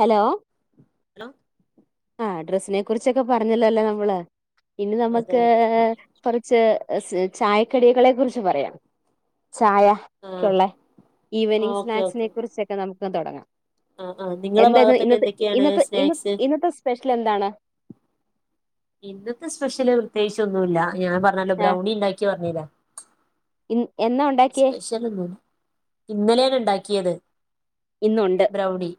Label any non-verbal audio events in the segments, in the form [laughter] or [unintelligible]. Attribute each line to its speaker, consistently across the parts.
Speaker 1: Hello
Speaker 2: hello
Speaker 1: ആഹ് ഡ്രസ്സിനെ കുറിച്ചൊക്കെ പറഞ്ഞല്ലോ ല്ലേ നമ്മള് ഇന്ന്
Speaker 2: അതെ
Speaker 1: നമ്മക്ക്
Speaker 2: അതെ
Speaker 1: കൊറച്ച് ചായക്കടികളെ കുറിച്ച് പറയാം ചായ
Speaker 2: ആഹ്
Speaker 1: ക്കൊള്ളെ
Speaker 2: ആഹ്
Speaker 1: ഈവനിങ്
Speaker 2: ഓക്കെ
Speaker 1: സ്നാക്സിനെ
Speaker 2: ഓക്കെ
Speaker 1: കുറിച്ചൊക്കെ നമുക്ക് തോടങ്ങാം
Speaker 2: ആഹ് ആഹ് നിങ്ങളെ
Speaker 1: എന്താന്ന്
Speaker 2: ഭാഗത്തൊക്കെ
Speaker 1: ഇന്നത്തെ
Speaker 2: എന്തൊക്കെയാണ്
Speaker 1: ഇന്നത്തെ ഇന്ന്
Speaker 2: സ്നാക്സ്
Speaker 1: ഇന്നത്തെ സ്പെഷ്യല് എന്താണ്?
Speaker 2: ഇന്നത്തെ സ്പെഷ്യല് പ്രത്യേകിച്ചൊന്നുല്ല ഞാൻ പർഞ്ഞല്ലോ ബ്രൗണി ഇണ്ടാക്കി പർഞ്ഞിലെ
Speaker 1: ഇൻ എന്നാ ഒണ്ടാക്കിയേ?
Speaker 2: [unintelligible] ഇന്നെലേണ് ഇണ്ടാ‌ക്കിയത്
Speaker 1: ഇന്നുണ്ട്
Speaker 2: ബ്രൗണി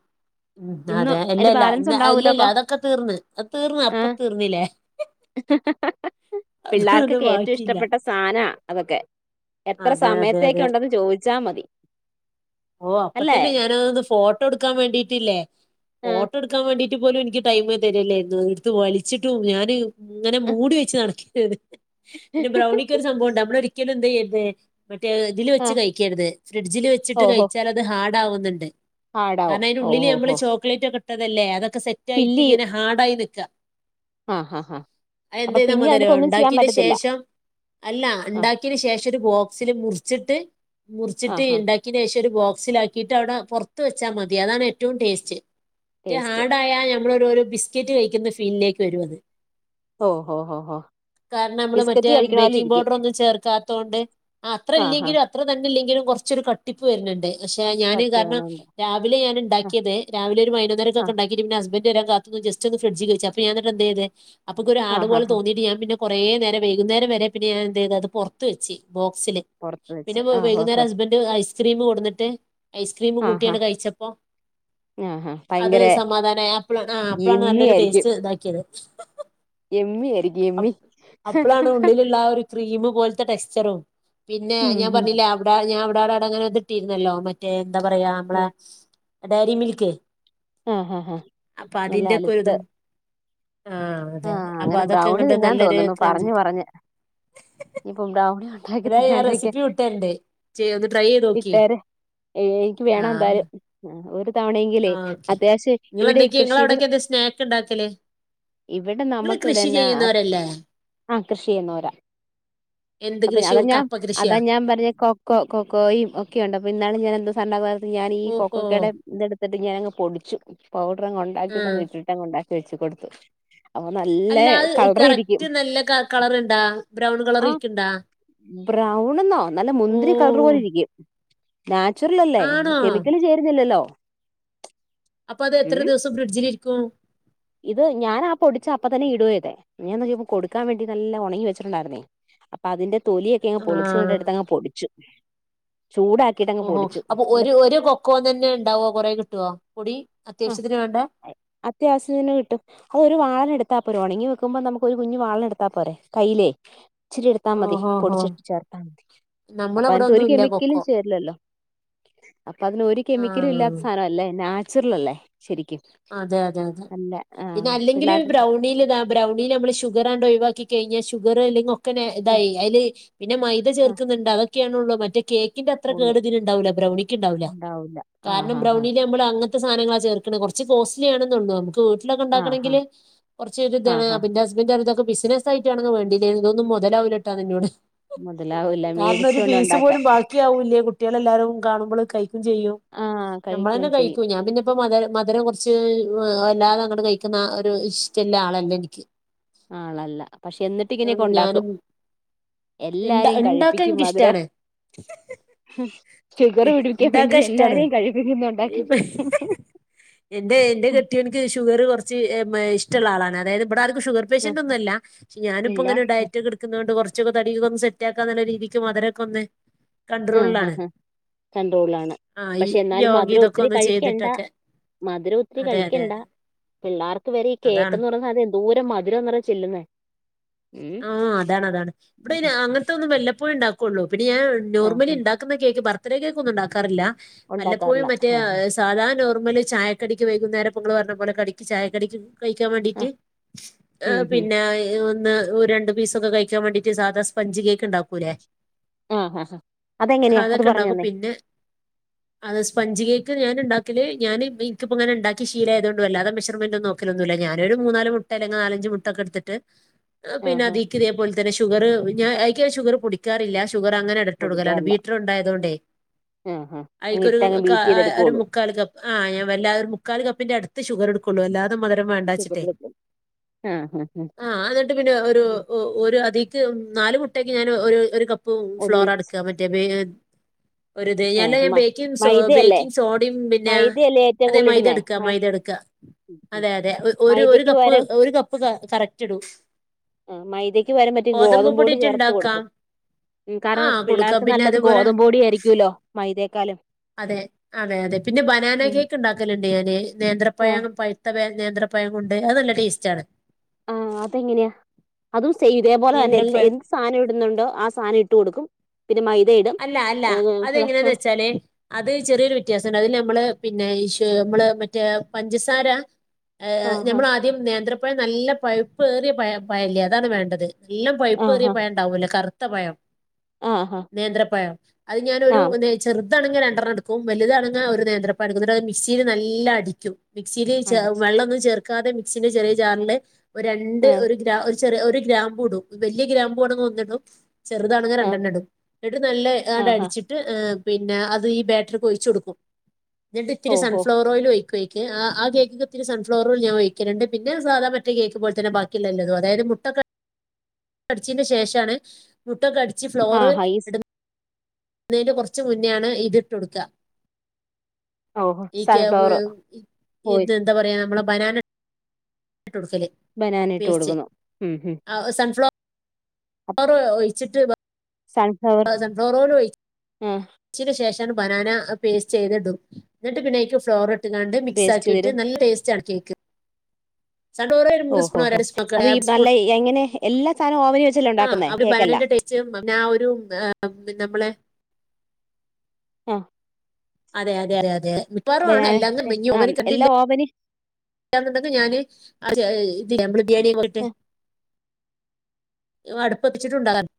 Speaker 2: ഉം
Speaker 1: ഇന്ന്
Speaker 2: അതെ
Speaker 1: അതിന്റെ
Speaker 2: ഇല്ലല്ല
Speaker 1: ബാലൻസ്
Speaker 2: ഇന്ന്
Speaker 1: ഉണ്ടാവൂലോ അപ്പൊ
Speaker 2: ഇല്ലല്ല അതൊക്കെ തീർന്ന് തീർന്ന്
Speaker 1: ആ
Speaker 2: അപ്പ തീർന്നില്ലേ അത് അത്
Speaker 1: പിള്ളേർക്കൊക്കെ ഏറ്റോം
Speaker 2: ബാക്കിയില്ല
Speaker 1: ഇഷ്ടപ്പെട്ട സ് സാന അതൊക്കെ എത്ര
Speaker 2: അതെ അതെ അതെ
Speaker 1: സമയത്തേക്കൊണ്ടെന്ന് ചോയ്ച്ചാ മതി
Speaker 2: ഓഹ് അപ്പ
Speaker 1: അല്ലേ
Speaker 2: തന്നെ ഞാനതൊന്ന് ഫോട്ടോ എടുക്കാൻ വേണ്ടിട്ടില്ലേ
Speaker 1: ആ
Speaker 2: ഫോട്ടോ എടുക്കാൻ വേണ്ടി ട്ട് പോലും എനിക്ക് ടൈമ് തരല്ലേര്ന്ന് ഇട്ത്ത് വലിച്ചിട്ടും ഞാന് ഇങ്ങനെ മൂടി വെച്ച് നടക്കേനി പിന്നെ ബ്രൗണിക്ക് ഒരു സംഭവണ്ട് നമ്മളൊരിക്കലും എന്തെയ്യര്ത് മറ്റേ തില്
Speaker 1: ആ
Speaker 2: വെച്ച് കഴിക്കര്ത് ഫ്രിഡ്ജില് വെച്ചിട്ട്
Speaker 1: ഓഹോ
Speaker 2: കഴിച്ചാലത് ഹാഡാവുന്ന്ണ്ട്
Speaker 1: ഹാർഡാവും
Speaker 2: കാരണം അയിന്റെ ഉള്ളില്
Speaker 1: ഓഹോ
Speaker 2: നമ്മള്
Speaker 1: ഹോ
Speaker 2: ചോ ക്ലേറ്റൊക്കെ ഇട്ടതല്ലേ അതൊക്കെ സെറ്റായിട്ട്
Speaker 1: ഫില്ല് ചെയ്യും
Speaker 2: ഇങ്ങനെ ഹാഡായി നിക്കാ
Speaker 1: ആഹ് ഹാ ഹാ അപ്പൊ
Speaker 2: അതെന്തയ്താ
Speaker 1: പിന്നെ
Speaker 2: മതി അറ്യോ
Speaker 1: അതിനകത്ത് ഒന്നും ചെയ്യാൻ
Speaker 2: ഇണ്ടാക്കേന്റെ
Speaker 1: പറ്റത്തില്ല
Speaker 2: ശേഷം അല്ല
Speaker 1: ആഹ്
Speaker 2: ഇണ്ടാക്കേന് ശേഷം ഒരു ബോക്സില് മുർച്ചിട്ട്
Speaker 1: ആഹ്
Speaker 2: മുർച്ചിട്ട്
Speaker 1: ഹാ
Speaker 2: ഇണ്ടാക്കേന്റെഷം ഒരു ബോക്സിലാക്കിട്ട് അവിടെ പോർത്ത് വെച്ചാ മതി അതാണ് ഏറ്റവും ടേസ്റ്റ് മറ്റെ
Speaker 1: ടേസ്റ്റ്
Speaker 2: ഹാർഡായാ നമ്മള് ഒരു ഒരു ബിസ്കറ്റ് കഴിക്കുന്ന ഫീലിലേക്ക് വരും അത്.
Speaker 1: ഓഹ്, ഓഹ്, ഓഹ്, ഓഹ്.
Speaker 2: കാരണം നമ്മള് മറ്റേ ബേക്കിംഗ് പൗഡർ ഒന്നും ചേർക്കാത്തോണ്ട് ആഹ് അത്ര ഇല്ലെങ്കിലും അ ത്ര തന്നെ ഇല്ലെങ്കിലും കൊറച്ചൊരു കട്ടിപ്പ് വര്ന്ണ്ട് പക്ഷെ ഞാന്
Speaker 1: കട്ടി
Speaker 2: കാരണം
Speaker 1: വേണോങ്കി
Speaker 2: രാവിലെ ഞാന്
Speaker 1: ആഹ്
Speaker 2: ഇണ്ടാക്കിയത്, രാവിലെ ഒരു പയിനൊന്നരക്കൊക്കെ
Speaker 1: ആഹ്
Speaker 2: ഇണ്ടാക്കീട്ട് പിന്നെ ഹസ്ബന്റ് വരാൻ കാത്തുന്ന് ജസ്റ്റ് ഒന്ന് ഫ്രഡ്ജ്ക്ക് വെച്ച് അ പ്പ ഞാൻ ഇന്നെട്ടെന്തെയ്ത്, അപ്പ ഇൻക്കൊരു
Speaker 1: ആഹ്
Speaker 2: ഹാർഡ്
Speaker 1: ഹാ
Speaker 2: പോലെ
Speaker 1: ഹാ
Speaker 2: തോന്നീട്ട് ഞാൻ പിന്നെ കൊറേ നേരം വൈകുന്നേരം വരെ പിന്നെ ഞാൻ എന്തെയ്ത് അത് പൊറത്തു വെച്ച് ബോക്സില്
Speaker 1: പുറത്ത് വെച്ച്
Speaker 2: പിന്നെ വെ
Speaker 1: ആഹ് ഹോ ഹോ
Speaker 2: വൈകുന്നേരം ഹസ്ബന്റ് ഐസ്ക്രീം കൊടുന്നിട്ട് ഐസ്ക്രീം
Speaker 1: ആഹ് ഹാ
Speaker 2: കൂട്ടിയാണ്ട് കഴിച്ചപ്പം
Speaker 1: [unintelligible]
Speaker 2: അത് സമാധാനായി അപ്പളാണ് ആഹ് അപ്പളാണ്
Speaker 1: യമ്മി
Speaker 2: നല്ലൊരു ടേസ്റ്റ് ഇതാക്കിയത്.
Speaker 1: യെമ്മിയാരി
Speaker 2: അപ് അപ്പളാണ് ഉള്ളിലുള്ള ആ ഒരു ക്രീമ് പോലത്തെ ടെക്സ്ചറും പിന്നെ
Speaker 1: ഉം
Speaker 2: ഞാൻ
Speaker 1: ഉം
Speaker 2: പർഞ്ഞില്ലേ അവ്ടെ ഞാൻ അവിടാടെ അടെങ്ങനെ ഇത് ഇട്ടീര്ന്നല്ലോ മ റ്റേ എന്താ പറയാ നമ്മളെ
Speaker 1: ഓഹ്
Speaker 2: ഡയരി മിൽക്ക്
Speaker 1: ഏഹ്, ഏഹ്
Speaker 2: അപ്പൊ
Speaker 1: നല്ല
Speaker 2: അതിന്റെക്കെ
Speaker 1: അലുത്ത്
Speaker 2: ഒരിതും ആ അതെ അതെ
Speaker 1: ആഹ്
Speaker 2: അപ്പൊ
Speaker 1: അങ്ങനെ ബ്ര
Speaker 2: അതൊക്കെ
Speaker 1: ബ്രൗണി
Speaker 2: ഇങ്ങണ്ട്
Speaker 1: തിന്നാൻ
Speaker 2: നല്ലൊരു
Speaker 1: തോന്നുന്നു
Speaker 2: ക്രഞ്ചി
Speaker 1: പറഞ്ഞ് പറഞ്ഞ് ഇഞ്ഞ് ഇപ്പോ ബ്രൗണി വേണം.
Speaker 2: ഏതായ ഞാൻ റെസിപ്പി വിട്ടര്ണ്ട് ചെയ്യ ഒന്ന് ട്രൈ ചെയ്തോക്കി.
Speaker 1: ഏഹ് എനിക്ക് വേണം എന്തായാലും ആഹ് ഒരു തവണയെങ്കിലെ
Speaker 2: ആ ഓക്കെ
Speaker 1: അത്യാവശെ
Speaker 2: നിങ്ങള്
Speaker 1: ഇവിടെ ഈ
Speaker 2: എന്തൊക്കെയ നിങ്ങള
Speaker 1: കൃഷിയുടെ
Speaker 2: അവിടൊക്കെ എന്താ സ്നാക്ക് ഉണ്ടാക്കല്
Speaker 1: ഇവിടെ
Speaker 2: നിങ്ങള്
Speaker 1: നമക്ക് ഇവിടെ
Speaker 2: കൃഷി
Speaker 1: എന്നാ ആഹ്,
Speaker 2: ചെയ്യുന്നവരല്ലേ
Speaker 1: ആഹ് കൃഷി ചെയ്യുന്നവരാ.
Speaker 2: എന്ത്
Speaker 1: അപ്പൊ
Speaker 2: കൃഷി
Speaker 1: അതാ ഞാൻ
Speaker 2: കപ്പ
Speaker 1: അതാ
Speaker 2: കൃഷിയാ
Speaker 1: ഞാൻ പറഞ്ഞെ കൊ കൊ കൊക്കോയും ഒക്കെ ഉണ്ട് അപ്പൊ ഇന്നാള് ഞാനെന്തോ സാനം ഇണ്ടാക്കാൻ പോയപ്പോ ഞാനീ
Speaker 2: ഓഹോ
Speaker 1: കൊക്കോക്കേടെ ഇതെടുത്തിട്ട് ഞാനങ്ങ് പൊടി ച്ചു. പൗഡറങ്ങ്
Speaker 2: ആ
Speaker 1: ഉണ്ടാക്കിട്ടങ്ങ് ഇട്ടിട്ടങ്ങ് ഉണ്ടാക്കി വെച്ചു കൊടുത്തു, അപ്പ നല്ല
Speaker 2: അല്ലാ അയ്
Speaker 1: കളർ ഇരിക്കും
Speaker 2: കറക്റ്റ് നല്ല ക കളറ് ഇണ്ടാ? ബ്രൗൺ കളറിര്ക്ക്ണ്ടാ?
Speaker 1: ബ്രൗൺ എന്നോ നല്ല മുന്തിരി കളർ പോലെ ഇരിക്കും. നാച്ചുറൽ അല്ലേ
Speaker 2: ആണോ
Speaker 1: കെമിക്കല് ചേരുന്നില്ലല്ലോ
Speaker 2: അപ്പൊ അത്
Speaker 1: ഉം
Speaker 2: എത്ര ദിവസം ഫ്രഡ്ജിലിരിക്കും?
Speaker 1: ഇത് ഞാനാ പൊടിച്ച അപ്പ തന്നെ ഇടുവാ ചെയ്തെ, ഞാൻ നോക്കിയപ്പോ കൊടുക്കാൻ വേണ്ടി നല്ല ഒണങ്ങി വെച്ചിട്ടുണ്ടായ്രുന്നേ. അപ്പൊ അതിന്റെ തൊലിയൊക്കെയങ്ങ്
Speaker 2: ആ
Speaker 1: പൊളിച്ചു ഇങ്ങട്ട് എടുത്ത് അങ്ങ് പൊടിച്ചു. ചൂടാ
Speaker 2: ഓഹോ അപ്പൊ ഒരു ഒരു കൊക്കോന്നന്നെ ഇണ്ടാവോ കൊറെ കിട്ടോ പൊടി
Speaker 1: ആ
Speaker 2: അത്യാവശ്യത്തിന് വേണ്ട
Speaker 1: അത്യാവശ്യത്തിന് കിട്ടും. അതൊരു വാളെനെടുത്താ പോരേ. ഒണങ്ങി വെക്കുമ്പം നമുക്കൊരു കുഞ്ഞി വാളെനെടുത്താ പോരെ കൈയിലേ. ഇച്ചിരി എടുത്താ മതി.
Speaker 2: ഓഹോഹോ
Speaker 1: പൊടിച്ചിട്ട് ചേർത്താ മതി അപ്പൊ
Speaker 2: നമ്മളവിടെ
Speaker 1: അയ്നാത്ത് ഒരു
Speaker 2: ഒന്നും ഇല്ല
Speaker 1: കെമിക്കലും
Speaker 2: കൊക്കോ
Speaker 1: ചേര്ലല്ലോ. അപ്പൊ അതിനൊരു
Speaker 2: ആ
Speaker 1: കെമിക്കലും ഇല്ലാത്ത സാനം അല്ലേ, നാചുറലല്ലേ ശെരിക്കും
Speaker 2: അതെ അതെ അതെ. പിന്നെ അല്ലെങ്കിലു ഈ
Speaker 1: പിള്ളേർക്ക്
Speaker 2: ബ്രൗണീല് ഇതാ ബ്രൗണീല് നമ്മള് ഷുഗറാണ്ട് ഒഴിവാക്കി കഴിഞ്ഞാ ഷുഗറ് അയിലെങ്ങോ ക്കന്നെ
Speaker 1: ആ
Speaker 2: ഇതായി അയ്ല് പിന്നെ മൈദ
Speaker 1: ആ
Speaker 2: ചേർക്ക്ന്ന്ണ്ട് അതൊക്കെയാണൊള്ളു മറ്റേ കേ ക്കിൻ്റെ അത്ര
Speaker 1: ഉള്ളൂ
Speaker 2: കേട് ഇതിന്ണ്ടാവൂല്ല. ബ്രൗണിക്ക്ണ്ടാവൂല്ല.
Speaker 1: ഉണ്ടാവൂല്ല ആ
Speaker 2: കാരണം
Speaker 1: ഹാ ഹാ
Speaker 2: ബ്രൗണീല് നമ്മള് അങ്ങൻത്തെ സാനങ്ങളാ ചേർക്ക്ണെ കൊർ ച്ച് കോസ്റ്റ്ലി ആണ്ന്നൊള്ളു, നമുക്ക് വീട്ടിലൊക്കെ
Speaker 1: ആ ഹാ
Speaker 2: ഇണ്ടാക്കണെങ്കില് കൊർച്ച് ഒര്
Speaker 1: ആ
Speaker 2: ഇതാണ്
Speaker 1: ഹാ
Speaker 2: അപ്പ ഇന്റെ ഹസ് ബന്ററിയും ഇതൊക്കെ ബിസിനസ് ആയിട്ടാണെങ്കിൽ വേണ്ടില്ലേര്ന്നു ഇതൊന്നും മൊതലാവൂലട്ടോന്ന് ഇന്നോട്.
Speaker 1: മുതലാവൂല്ല
Speaker 2: കാരണം ഒരു
Speaker 1: മേടിച്ചോണ്ട്
Speaker 2: പീസ്
Speaker 1: ഉണ്ടാക്കാം
Speaker 2: പോലും ബാ ക്കിയാവൂല്ല കുട്ടിളെല്ലാരും കാണുമ്പള് കഴിക്കും ചെയ്യും
Speaker 1: ആഹ് കഴിക്കുകയും
Speaker 2: നമ്മളന്നെ
Speaker 1: ചെയ്യും
Speaker 2: കഴിക്കും ഞാൻ പിന്നെ ഇപ്പ മധര മ ധുരം കൊറച്ച് വെ വല്ലാതെ അങ്ങട്ട് കഴിക്ക്ന്ന ഒരു ഇഷ്ടല്ല ആളല്ല എനിക്ക്.
Speaker 1: ആളല്ല പക്ഷെ, എന്നിട്ട് ഇങ്ങനെയൊക്കെ ഒണ്ടാക്കും.
Speaker 2: ഞാനും ഇണ്ട
Speaker 1: എല്ലാരെയും
Speaker 2: ഇണ്ടാക്കാൻ
Speaker 1: കഴിപ്പിക്കും മധുര
Speaker 2: എനിക്കിഷ്ടാണ്
Speaker 1: ഹും ഷുഗർ പിടിപ്പിക്കാൻ
Speaker 2: ഇണ്ടാക്കാൻ
Speaker 1: വേണ്ടി
Speaker 2: ഇഷ്ടാണ്
Speaker 1: എല്ലാരേം കഴിപ്പിക്കും ഉണ്ടാക്കി
Speaker 2: എന്റെ എന്റെ കെട്ടിയോൻക്ക് ഷുഗറ് കൊറച്ച് ഏഹ് മേ ഇഷ്ടുള്ള ആളാണ് അതായത് ഇവിടെ ആർക്കും ഷുഗർ
Speaker 1: ആഹ്
Speaker 2: പേഷ്യന്റൊന്നും അല്ല പക്ഷെ ഞാനിപ്പോ
Speaker 1: ഇല്ല
Speaker 2: ഇങ്ങനെ ഡയറ്റൊക്കെ എട് നിക്ക്ന്നോണ്ട് കുറച്ചൊക്കെ തടിക്കൊന്ന് സെറ്റാക്കാൻ ന രീതി മധരൊകൊന്നേ
Speaker 1: ഹും ഹും കണ്ട്രോളാണ്
Speaker 2: ആഹ് ഈ
Speaker 1: പക്ഷെ എന്നാലും
Speaker 2: യോഗ
Speaker 1: മധുരം
Speaker 2: ഇതൊക്കെ
Speaker 1: ഒത്തിരി
Speaker 2: ഒന്ന്
Speaker 1: കഴിക്കേണ്ട
Speaker 2: ചെയ്തിട്ടൊക്കെ
Speaker 1: മധുരം ഒത്തിരി
Speaker 2: അതെ അതെ
Speaker 1: കഴിക്കണ്ട പിള്ളേർക്ക് വരെ ഈ കേക്ക്
Speaker 2: അതാണ്
Speaker 1: എന്ന് പറഞ്ഞ സാധന ന്തോരം മധുരം ന്നറിയ ചെല്ലുന്നേ ഉം
Speaker 2: ആഹ് ആഹ് അതാണ് അതാണ് ഇവിടെ അങ്ങനത്തെ ഒന്നും വെല്ലപ്പോഴും ഉണ്ടാക്കുള്ളൂ പിന്നെ ഞാൻ നോർമലി
Speaker 1: ആഹ്
Speaker 2: ഉണ്ട ക്കുന്ന കേക്ക് ബർത്തിഡേ കേക്ക് ഒന്നും ഉണ്ടാക്കാറില്ല വല്ലപ്പോഴും
Speaker 1: ഉണ്ടാക്കാറില്ല
Speaker 2: മറ്റേ
Speaker 1: ആഹ്
Speaker 2: സാധാരണ നോർമല് ചായക്കടിക്ക് വൈകുന്നേരംപ്പോങ്ങള് പറഞ്ഞ പോലെ കടിക്ക് ചായക്കടിക്ക് കഴിക്കാൻ വേണ്ടിട്ട്
Speaker 1: ആഹ് ഉം ഉം
Speaker 2: പിന്നെ ഈ ഒന്ന് ഒരു രണ്ട് പീസൊക്കെ കഴിക്കാ വേണ്ടിട്ട് സാധാ സ്പഞ്ച് കേക്ക് ഇ ണ്ടാക്കൂലേ
Speaker 1: ആഹ് ആഹ് അതെങ്ങനെയാ അത്
Speaker 2: ഹതൊക്കെ
Speaker 1: പറഞ്ഞു
Speaker 2: ഇണ്ടാക്കും
Speaker 1: തന്നെ
Speaker 2: പിന്നെ അത് സ്പഞ്ച് കേക്ക് ഞാൻ ഇ ണ്ടാക്കല് ഞാന് ഇപ്പോങ്ങനെ ഇണ്ടാക്കി ശീല ആയതൊണ്ട് വല്ലാതെ മെഷർമെന്റ് ന്നും ഒന്നം ലൊന്നുല്ല ഞാനൊരു മൂന്നാല് മുട്ട അല്ലെ നീലഞ്ച് മുട്ട ഒക്കെ എടുത്തിട്ട് പിന്നെ
Speaker 1: ആഹ് ആഹ്
Speaker 2: അതീക്കിതേ പോൽതന്നെ ഷുഗറ് ഞാൻ അയ്ക്ക് ഞാൻ ഷുഗറ് പൊടിക്കാറില്ല ഷുഗറങ്ങന ഇട്ടൊട്ക്കലാണ്
Speaker 1: പൊടിക്കാറില്ല
Speaker 2: ബീറ്ററ് ഇണ്ടായതൊണ്ടേ
Speaker 1: ആഹ് ആഹ്
Speaker 2: അയ്ക്കൊരു
Speaker 1: അങ്ങിട്ടങ്ങ്
Speaker 2: കാ
Speaker 1: ബീറ്റ്
Speaker 2: ഒര്
Speaker 1: ചെയ്തെടുക്കുള്ളൂ
Speaker 2: മുക്കാൽ കപ് ആഹ് ഞാൻ വല്ലാതെ മുക്കാല് കപ്പിന്റെ അട്ത്ത് ഷുഗറ് ഇട്ക്കൊളളു അല്ലാ മധുരം വേണ്ടാവെച്ചിട്ടേ
Speaker 1: ഷുഗർലെത്തും
Speaker 2: ആഹ് അതെട് പിന്നെ ഒരു
Speaker 1: ആഹ്
Speaker 2: ഒരു അതീക്ക് നാല് മുട്ടേക്ക് ഞാൻ ഒരു ഒരു കപ്പ് ഫ്ലോർ
Speaker 1: ഒന്നിച്ച്
Speaker 2: അടുക്കാൻ പ [unintelligible] ഒരു തേയല്ല
Speaker 1: ആഹ് മ
Speaker 2: ബേക്കിംഗ് സോ
Speaker 1: മൈദയല്ലേ
Speaker 2: ബേക്കിങ് സോഡയും പിന്നെ
Speaker 1: മൈദയല്ലേ ഏറ്റവും
Speaker 2: അതെ
Speaker 1: കൂടുതൽ
Speaker 2: മൈദ
Speaker 1: ഇടുന്നേ
Speaker 2: എട്ക്കാ
Speaker 1: മ
Speaker 2: മൈദ എട്ക്കാ അതെ അതെ ഒരു ഒരു
Speaker 1: മൈദയ്ക്ക്
Speaker 2: കപ്പ്
Speaker 1: പകരം
Speaker 2: ഒരു കപ്പ് ക കറക്റ്റ് ഇടൂ
Speaker 1: ആഹ് മൈദയ്ക്ക് പകരം മറ്റെ ഗോതമ്പ് പെടി
Speaker 2: പൊടിയിട്ട്
Speaker 1: ചേർത്ത്
Speaker 2: ഉണ്ടാക്കാം
Speaker 1: കൊടുക്കും ഉം
Speaker 2: ആ
Speaker 1: കാരണം
Speaker 2: കൊടുക്കാം
Speaker 1: പിള്ളേർക്ക്
Speaker 2: പിന്നെ
Speaker 1: നല്ലത്
Speaker 2: അതേപോലെ
Speaker 1: ഗോതമ്പ് പൊടി ആയിരിക്കൂല്ലോ
Speaker 2: അതെ അതെ അതെ പിന്നെ ബനാന കേക്ക് ഇണ്ടാക്കല്ണ്ട് ഞാന്
Speaker 1: ആഹ്
Speaker 2: നേന്ത്രപയാണ് പഴുത്ത നേന്ത്രപയം കൊണ്ട് അത് നല്ല ടേസ്റ്റാണ്
Speaker 1: ആഹ് അതെങ്ങനയാ അതുംസെയിം ഇതേപോലെ തന്നെ എല്ല
Speaker 2: നേന്ത്രപ്പഴം
Speaker 1: എന്ത് സാധനം ഇടുന്നുണ്ടോ ആഹ് സാധനം ഇട്ടു കൊടുക്കും പിന്നെ മൈദയിടും
Speaker 2: അല്ല അല്ല അതെങ്ങന്യാന്ന് വെച്ചാ അത് ചെറിയൊരു വ്യത്യാസൊണ്ട് അതിൽ നമ്മള് പിന്നെ ഈശ് നമ്മള് മറ്റേ പഞ്ചസാര ഏഹ്
Speaker 1: ആഹ്
Speaker 2: നമ്മളാദ്യം നേന്ത്രപ്പഴം നല്ല പൈപ്പ് ഏറിയ പയപ്പായില്ലേ അതാണ് വേണ്ടത് നല്ല പൈപ്പ് ഏറിയ
Speaker 1: ആഹ്
Speaker 2: പയംണ്ടാവൂല്ലോ കറുത്ത പയം
Speaker 1: ആഹ്
Speaker 2: നേന്ത്രപായം അത് ഞാനൊരു
Speaker 1: ആഹ്
Speaker 2: നെ ചെറ്താണെങ്കി രണ്ടെർണട്ക്കും വലുതാണെങ്കി ഒരു നേന്ത്രപ്പഴട്ക്കും ഇന്നട്ടത് മിക്സീല് നല്ലൊം അടിയ്ക്കും മിക്സില് ചെ
Speaker 1: അടിച്ച്
Speaker 2: വെള്ളന്നും ചേർക്കാതെ മിക്സിന്റെ ചെറിയ ജാറില് ഒരു രണ്ട്
Speaker 1: ആഹ്
Speaker 2: ഒരു ഗ്രാ ഒരു ചെറ്യെ ഒരു ഗ്രാമ്പൂടും വല്ല്യ ഗ്രാമ്പൂ ആണെങ്കി ഒന്നിടും ചെറുതാണങ്കി രണ്ടെണ്ണം
Speaker 1: ആഹ്
Speaker 2: ഇടും ഇങ്ങട്ട് നല്ലെ ഇയാണ്ട്
Speaker 1: ആഹ്
Speaker 2: അടിച്ച് ട്ട് ഏഹ് പിന്നെ അത് ഈഹ് ബാറ്ററിക്ക് ഒഴിച്ചു കൊടുക്കും എന്നിട്ട് ഇത്തിരി
Speaker 1: ഓഹോ
Speaker 2: സൺഫ്ലവർ ഓയിൽ ഒഴി കേക്ക് ആഹ് കേക്ക്ക്ക് ഇത്തിരി സൺഫ്ലവർഓയിൽ ഞാൻ ഒഴിക്കലോണ്ട് പിന്നെ സാതാ മറ്റേ കേക്ക് പോലെ തന്നെ ബാക്കി ഇല്ലല്ലോ അതായത് മുട്ടക്കെ അടിച്ചന്റെ ശേഷാണ് മുട്ടൊക്കെ അടിച്ച് ഫ്ലോർ
Speaker 1: ആഹാ ഈ
Speaker 2: ഇടുന്നേന്റെ കൊറച്ച് മുന്നെയാണ് ഇതിട്ട് കൊടുക്കാ
Speaker 1: ഓഹോ
Speaker 2: ഈ ക്യാബ്
Speaker 1: സൺഫ്ലവർ ഓയി
Speaker 2: ഇത് എന്താ പറയാ നമ്മളെ ബനാന ഇട്ടൊടുക്കല്
Speaker 1: ബനാന ഇട്ട് കൊടുക്കുന്നു ഉം ഉം
Speaker 2: ആ സൺഫ്ലോ ഓറ് ഒഴിച്ചിട്ട്
Speaker 1: സൺ
Speaker 2: ആ സൺഫ്ലവറോയിലോഴി
Speaker 1: ഉം
Speaker 2: ച്ചന് ശേഷം ആണ് ബനാന ആ പേസ്റ്റ് ചെയ്ത്ടും എന്നിട്ട് പിന്നെക്ക് ഫ്ലോറി ഇട്ട് കാണ്ട് മിക്സ്
Speaker 1: പേസ്റ്റ് ചെയ്തിട്ട്
Speaker 2: ആക്കീട്ട് നല്ല ടേസ്റ്റ് ആണ് കേക്ക് സൺഫ്ലവർ ഓയിൽ ഒരു
Speaker 1: ഓ
Speaker 2: മൂന്ന്
Speaker 1: ഹോ
Speaker 2: സ്പൂൺ്പൂണോ ഒര്
Speaker 1: ഹോ
Speaker 2: അര സ്പൂണോ
Speaker 1: അത് ഈ
Speaker 2: അര സ്പൂൺ
Speaker 1: നല്ല എങ്ങനെ എല്ലാ സാധനവും ഓവനി വെച്ചല്ലേ
Speaker 2: ആ
Speaker 1: ഉണ്ടാക്കുന്നേ
Speaker 2: ആ ഒരു
Speaker 1: കേക്കല്ല
Speaker 2: ബനാനന്റെ ടേ ച്ചും ഞാൻ ഒരു ആ പിന്നെ അമ്മളെ
Speaker 1: ആഹ്
Speaker 2: അതെ അതെ അതെ അതെ മിക്കാറും ആണ് അല്ലാന്ന്ണ്ടെങ്കിൽ
Speaker 1: ആ
Speaker 2: ഓവനി കണ്ടില്ലേ
Speaker 1: എല്ലാം ഓവനി
Speaker 2: ല്ലാന്ന് ണ്ടെങ്കിൽ ഞാന് ഇ നമ്മള് ബിരിയാണിയ പോയിട്ട്
Speaker 1: ആ
Speaker 2: അടുപ്പ് വെച്ചിട്ടുണ്ടാകാരം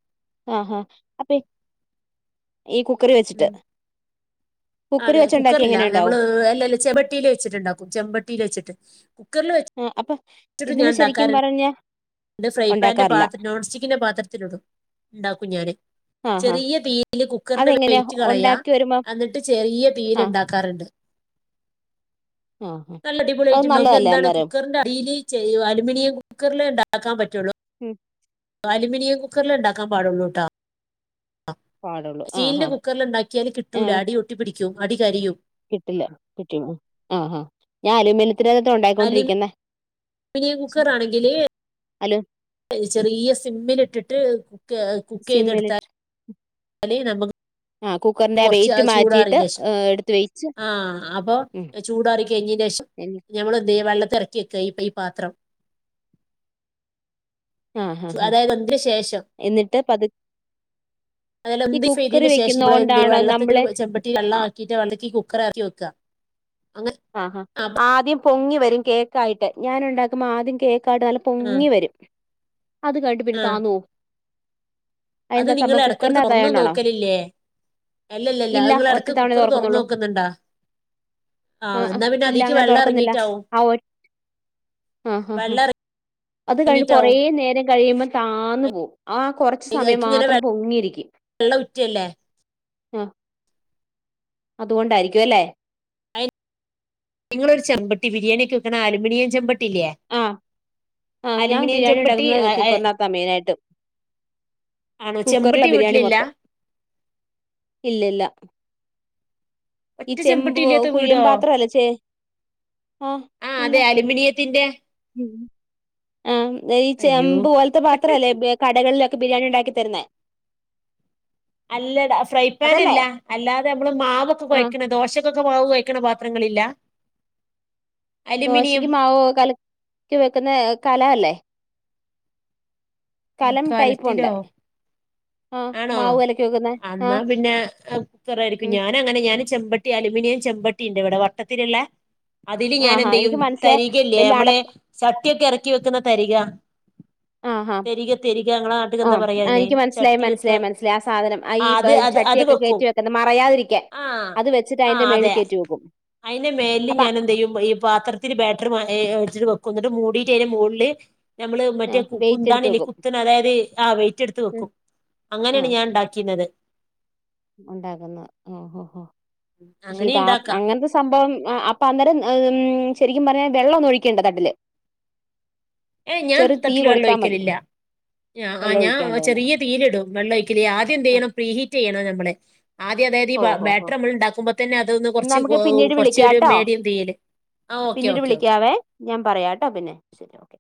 Speaker 1: ആഹ് ഹ അപ്പെ ഈ കുക്കറി വെച്
Speaker 2: മ് അതെ
Speaker 1: വെച്ചുണ്ടാക്കി
Speaker 2: കുക്കറില്ല
Speaker 1: എങ്ങനെ ഉണ്ടാവും
Speaker 2: നമ്മള് അല്ലല്ല ചെവട്ടിയിൽ വെ വെച്ചിട്ടുണ്ടാക്കും ചെമ്പട്ടിൽ വെച്ചിട്ട് കുക്കറിൽ
Speaker 1: ആ അപ്പൊ ഇതിന് ശരിക്കും പറഞ്ഞ
Speaker 2: ഇത് ഫ്രൈ പാന്റെ
Speaker 1: ഉണ്ടാക്കാറില്ല
Speaker 2: പാത്രം നോൺ സ്റ്റിക്കിന്റെ പാത്രത്തിലിടും ഉണ്ടാക്കും ഞാാന്
Speaker 1: ആ ആ
Speaker 2: ചെറിയ തീയില് കുക്കറിന്റെ
Speaker 1: അതെങ്ങനെയാ
Speaker 2: വെയിറ്റ് കളയാ
Speaker 1: ഉണ്ടാക്കി വരുമ്പം
Speaker 2: എന്നിട്ട് ചെറിയ തീയിൽ
Speaker 1: ആ
Speaker 2: ഉണ്ടാക്കാറുണ്ട്
Speaker 1: ആ ആ.
Speaker 2: നല്ല അടിപൊളി
Speaker 1: അത്
Speaker 2: ആയിട്ടുണ്ടാവും
Speaker 1: നല്ലതല്ലേ
Speaker 2: എന്താണ്
Speaker 1: അന്നേരം
Speaker 2: കുക്കറിന്റെ അടിയില് ചെരിവ് അലൂമിനിയം കുക്കറിലെ ഉണ്ടാക്കാൻ പറ്റുള്ളൂ
Speaker 1: ഉം
Speaker 2: അലുമിനിയം കുക്കറിലെ ഉണ്ടാക്കാൻ പാടുള്ളൂട്ടോ
Speaker 1: പാടുള്ളൂ ആ
Speaker 2: സ്റ്റീലിന്റെ
Speaker 1: ആ
Speaker 2: കുക്കറിൽ ഉണ്ടാക്കിയാൽ കിട്ടൂല അടി ഒട്ടിപ്പിടിക്കും അടി കരിയും
Speaker 1: കിട്ടില്ല കിട്ടിം ആഹ് ഹാ ഞാൻ അലുമിനിയത്തിനകത്ത ഉണ്ടായിക്കൊണ്ടിരിക്കുന്നെ
Speaker 2: അലുമിനിയം കുക്കറാണെങ്കില്
Speaker 1: അല്
Speaker 2: ചെറിയ സിമ്മിലിട്ടിട്ട് കുക്ക് കുക്ക്ചെയ്തെടുത്താൽ
Speaker 1: സിമ്മിലിട്ട്
Speaker 2: ല്
Speaker 1: ആ
Speaker 2: നമ്മക്ക്
Speaker 1: കുക്കറിന്റെ ആ
Speaker 2: കൊറച്ച്
Speaker 1: വെയിറ്റ് മാറ്റിയിട്ട്
Speaker 2: ചൂടാറീന്റെ ശേഷം
Speaker 1: എടുത്ത് വെച്ച്
Speaker 2: ആഹ് അപ്പൊ
Speaker 1: ഉം
Speaker 2: ചൂടാറി കഴിഞ്ഞന് ശേഷം
Speaker 1: ആ
Speaker 2: ഞമ്മള് ദേ വെള്ളത്തിലെറക്കി വെക്കാ ഇ ഈ പാത്രം
Speaker 1: ആ ഹാ ഹാ
Speaker 2: അതായത് വന്തേന് ശേഷം
Speaker 1: എന്നിട്ട് പതു ഈ കുക്കറി
Speaker 2: [unintelligible] ശേഷം
Speaker 1: വെക്കുന്ന
Speaker 2: ഇവിടെ എന്ത്
Speaker 1: കൊണ്ടാണോ
Speaker 2: വെള്ളത്തി ഇത്തിരി
Speaker 1: നമ്മള്
Speaker 2: ചെമ്പട്ടി വെള്ളം
Speaker 1: ആ
Speaker 2: ആക്കീട്ട് വെള്ളത്തീ കുക്കറെറക്കി വെക്കുക അങ്ങനെ
Speaker 1: ആഹാ ആദ്യം പൊങ്ങി വരും കേക്കായിട്ട് ഞാൻ ഉണ്ടാക്കുമ്പോ ആദ്യം കേക്കായിട്ട് നല്ല
Speaker 2: ആ
Speaker 1: പൊങ്ങി വരും അത് കഴിഞ്ഞിട്ട് പിന്നെ
Speaker 2: ആ
Speaker 1: താന്നു പോവും
Speaker 2: അത്
Speaker 1: അതെന്താ
Speaker 2: നിങ്ങള്
Speaker 1: സംഭവം
Speaker 2: എടക്കെടുത്ത് തുറന്നു
Speaker 1: കുക്കറിനകത്തായോണ്ടാണോ
Speaker 2: നോക്കലില്ലേ അല്ലല്ലല്ല അത്
Speaker 1: ഇല്ല ഒറ്റ
Speaker 2: നിങ്ങളെടയ്ക്ക്
Speaker 1: തവണേ
Speaker 2: കുക്കർ തുറന്നു
Speaker 1: തുറക്കുന്നുള്ളൂ
Speaker 2: നോക്കുന്നുണ്ടാ
Speaker 1: ആ
Speaker 2: ആഹ്
Speaker 1: ആ
Speaker 2: എന്നാ പിന്നെ
Speaker 1: ഇല്ല
Speaker 2: അതീക്
Speaker 1: അങ്ങനെ
Speaker 2: വെള്ളം
Speaker 1: തുറക്കുന്നില്ല
Speaker 2: ഇറങ്ങിട്ടാവും
Speaker 1: ആ ഒ ആ ഹാ ഹാ അത് കഴിഞ് കൊറേ
Speaker 2: ഇറങ്ങിയിട്ടാവും
Speaker 1: നേരം കഴിയുമ്പ താന്നു പോവും ആ കുറച് സമയം
Speaker 2: അതിക്ക് ഇങ്ങനെ
Speaker 1: മാത്രം പൊങ്ങിയിരിക്കും
Speaker 2: വെള്ളം ഉറ്റിയല്ലേ
Speaker 1: ആ അതുകൊണ്ടായിരിക്കും അല്ലെ
Speaker 2: അയ് നിങ്ങളൊരു ചെമ്പട്ടി ബിരിയാണി ഒക്കെ വെക്കണ അലൂമിനിയം ചെമ്പട്ടിയില്ലേ
Speaker 1: ആഹ് ആഹ് ഞാൻ ബിരിയാണി
Speaker 2: ചെമ്പട്ടി
Speaker 1: ഉണ്ടാക്കുന്നത് കുക്കറിനാത്താ മെയിനായിട്ട്
Speaker 2: ആണോ
Speaker 1: കുക്കറില
Speaker 2: ചെമ്പട്ടി
Speaker 1: ബിരിയാണി
Speaker 2: വീട്ടിലില്ല
Speaker 1: മൊത്തം ഇല്ലല്ല
Speaker 2: ഒറ്റ ചെമ്പട്ടിം ഇല്ലാത്ത
Speaker 1: കുഴിയൻ
Speaker 2: വീടോ
Speaker 1: പാത്രല്ലേ ചേ
Speaker 2: ആഹ് അതെ അലുമിനിയത്തിന്റെ
Speaker 1: ഉം ആഹ് ഈ
Speaker 2: അയ്യോ
Speaker 1: ചെമ്പുപോൽത്തെ പാത്രല്ലേ ബേ കടകളിലൊക്കെ ബിരിയാണി ഉണ്ടാക്കി തരുന്നേ
Speaker 2: അല്ലട ഫ്രൈ
Speaker 1: അതല്ലേ
Speaker 2: പാനല്ല അല്ലാതെ നമ്മള് മാവൊക്കെ
Speaker 1: ആഹ്
Speaker 2: കൊഴക്ക്ണെ ദോശ ക്കൊക്കെ മാവ് കൊഴക്ക്ണെ പാത്രങ്ങളില്ല അലുമിനിയം
Speaker 1: ദോശയ്ക്ക് മാവ് കലക്കി വെക്ക്ന്നെ കല അല്ലേ
Speaker 2: ആഹ്
Speaker 1: കലം ടൈപ്പ് ഉണ്ട്
Speaker 2: കലത്തിലോ
Speaker 1: ആഹ്
Speaker 2: ആണോ
Speaker 1: മാവ് കലക്കി വെക്കുന്നെ
Speaker 2: അന്നാ
Speaker 1: ആഹ്
Speaker 2: പിന്നെ [unintelligible]
Speaker 1: ഉം
Speaker 2: ഞാൻ നങ്ങനെ ഞാൻ ചെമ്പട്ടി അലൂമിനിയം ചെമ്പട്ടിണ്ട് വടെ വട്ടത്തില്ള്ളെ അതില്
Speaker 1: ആഹ് ആഹ്
Speaker 2: ഞാനെന്തെയ്യും
Speaker 1: എനിക്ക് മനസ്സിലായി
Speaker 2: തരികല്ലേ
Speaker 1: വല്യ
Speaker 2: ഞമ്മള്
Speaker 1: അടപ്പ്
Speaker 2: ചട്ടിയൊക്കെ എറക്കി വെക്കുന്ന തരിക
Speaker 1: ആഹ്
Speaker 2: തരിക തരിക ഞങ്ങളെ നാട്ടിൽ എന്താ
Speaker 1: ആഹ്
Speaker 2: പറയാ
Speaker 1: ആഹ്
Speaker 2: അതിന്
Speaker 1: എനിക്ക് മനസ്സിലായി
Speaker 2: ചട്ടിയൊക്കെ
Speaker 1: മനസ്സിലായി മനസ്സിലായി ആ സാധനം അ
Speaker 2: ആ
Speaker 1: ഈ
Speaker 2: അത് അത് അത്
Speaker 1: ചട്ടിയൊക്കെ
Speaker 2: വെക്കും
Speaker 1: കേറ്റി വെക്ക്ന്നെ മറയാതിരിക്കാൻ അത് വെച്ച്ട്ട് അതിന്റെ മേളിൽ കേറ്റി വെക്കും
Speaker 2: അയ്ൻ്റെ മേല്
Speaker 1: അപ്പൊ
Speaker 2: ഞാനെന്തെയ്യും ഈ പാത്ര ഇത്തിരി ബേറ്ററ് മ എ ടിച്ച്ട്ട് വെക്കും ന്ന്ട്ട് മൂടിട്ട് അയ്ൻ്റെ മോൾല് നമ്മള്
Speaker 1: ആ
Speaker 2: മറ്റേ കു
Speaker 1: വെയിറ്റ് എടുത്ത്
Speaker 2: കുന്താണില്ലെ
Speaker 1: വെക്കും
Speaker 2: കുത്ത്ന് അതായത് ആ വെയിറ്റ്ട്ത്ത്
Speaker 1: ഉം,
Speaker 2: വെക്കും അങ്ങനെണ് ഞാൻ ണ്ടാക്കിന്നത്
Speaker 1: ഉണ്ടാകുന്നത് ഹൊ ഹൊ ഹൊ പക്ഷെ
Speaker 2: അങ്ങനെ
Speaker 1: ഇതാ
Speaker 2: ഉണ്ടാക്കാം
Speaker 1: അങ്ങൻത്തെ സ് സംഭവം അ അപ്പൊ അന്നേരം ഉം ശെരിക്കും പറഞ്ഞ വെള്ളൊന്നും ഒഴിക്കണ്ട തട്ടില്
Speaker 2: ഏയ് ഞാൻ
Speaker 1: ചെറു തീ
Speaker 2: തട്ടില് വെള്ളം
Speaker 1: കൊടുത്താൽ മതി
Speaker 2: ഒഴിക്കലില്ല ഞാ
Speaker 1: വെള്ളം ഒഴിക്കാണ്ട്
Speaker 2: ആഹ്
Speaker 1: തന്നെ
Speaker 2: ചെറിയ തീയിലിടും വെള്ളം ഒഴിക്കല് ആദ്യം
Speaker 1: ആ,
Speaker 2: എന്തെയ്യണം പ്രീഹീറ്റ് ചെയ്യണം ഞമ്മള് ആദ്യം അതായത് ഈ
Speaker 1: ഓ
Speaker 2: ബാ
Speaker 1: ഹോ ഹോ
Speaker 2: ബാറ്ററ് ഞമ്മള് ണ്ടാക്കുമ്പോ തെന്നെ അതൊന്ന്
Speaker 1: എന്നാ
Speaker 2: കൊർച്ച്
Speaker 1: നമുക്ക് പിന്നീട്
Speaker 2: കൊർച്ച് ഒരു
Speaker 1: വിളിക്കാട്ടോ
Speaker 2: മേടിയം തീയില് ആഹ് ഓക്കെ
Speaker 1: പിന്നീട്
Speaker 2: ഓക്കെ ഓക്കെ
Speaker 1: വിളിക്കാവേ ഞാൻ പറയാട്ടോ പിന്നെ ശെരി ഓക്കെ